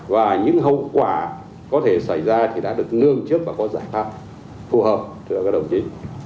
và những hậu quả có thể xảy ra thì đã được lương trước và có giải pháp phù hợp cho các đồng chí